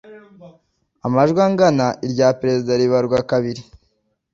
amajwi angana irya perezida ribarwa kabiri